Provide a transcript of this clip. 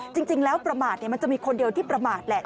จริงแล้วประมาทมันจะมีคนเดียวที่ประมาทแหละ